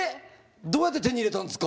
どうやって手に入れたんですか？